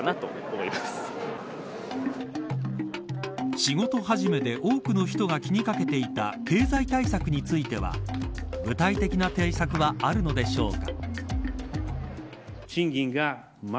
仕事始めで多くの人が気にかけていた経済対策については具体的な対策はあるのでしょうか。